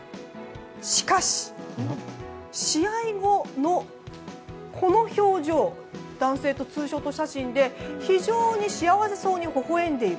しかし、試合後のこの表情男性とツーショット写真で非常に幸せそうにほほ笑んでいる。